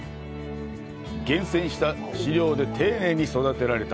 厳選した飼料で飼料で丁寧に育てられた、